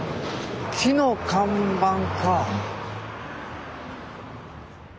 木の看板か。